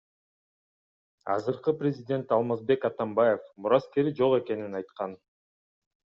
Азыркы президент Алмазбек Атамбаев мураскери жок экенин айткан.